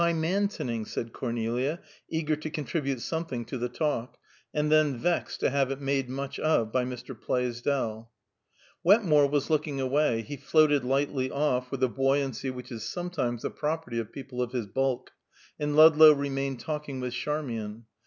"Pymantoning," said Cornelia, eager to contribute something to the talk, and then vexed to have it made much of by Mr. Plaisdell. Wetmore was looking away. He floated lightly off, with the buoyancy which is sometimes the property of people of his bulk, and Ludlow remained talking with Charmian.